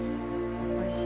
おいしい。